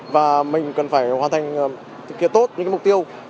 và mình cần phải hoàn thành thực hiện tốt những mục tiêu